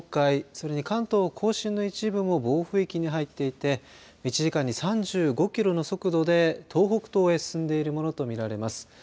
それに関東甲信の一部も暴風域に入っていて１時間に３５キロの速度で東北東へ進んでいるものと見られます。